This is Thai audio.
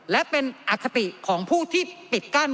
และเป็นอคติของผู้ที่ปิดกั้น